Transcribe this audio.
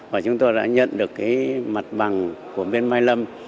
và chúng tôi đã nhận được cái mặt bằng của bên mai lâm